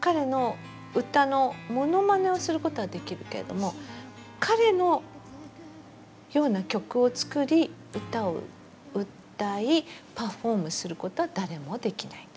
彼の歌のモノマネをすることはできるけれども彼のような曲を作り歌を歌いパフォームすることは誰もできない。